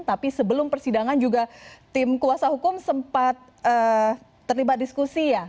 tapi sebelum persidangan juga tim kuasa hukum sempat terlibat diskusi ya